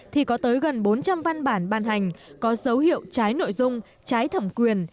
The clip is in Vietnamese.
thì có tới gần bốn trăm linh văn bản ban hành có dấu hiệu trái nội dung trái thẩm quyền